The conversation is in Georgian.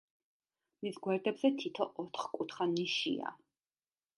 მის გვერდებზე თითო ოთხკუთხა ნიშია.